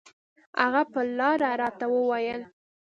هغه پر لاره راته وويل.